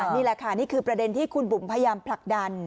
นี่แหละค่ะนี่คือประเด็นที่คุณบุ๋มพยายามผลักดัน